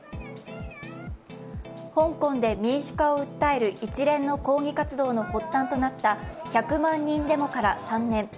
香港で民主化を訴える一連の抗議活動の発端となった１００万人デモから３年。